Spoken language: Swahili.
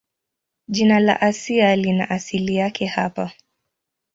Jina la Asia lina asili yake hapa.